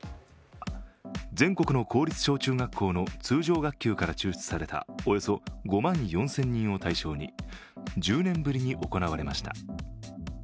全国の公立小中学校の通常学級から抽出されたおよそ５万４０００人を対象に１０年ぶりに行われました。